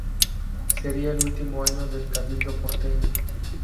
Sería el último año del cabildo porteño.